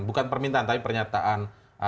bukan permintaan tapi pernyataan